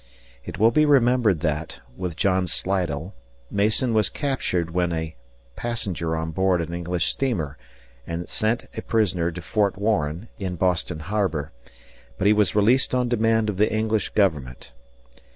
It will be remembered that, with John Slidell, Mason was captured when a passenger on board an English steamer and sent a prisoner to Fort Warren (in Boston Harbor), but he was released on demand of the English government.